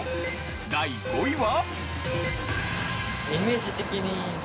第５位は。